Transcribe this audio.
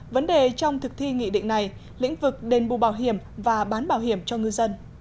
vấn đề trong thực thi nghị định này lĩnh vực đền bù bảo hiểm và bán bảo hiểm cho ngư dân